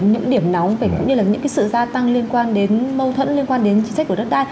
những điểm nóng cũng như là những sự gia tăng liên quan đến mâu thuẫn liên quan đến chính sách của đất đai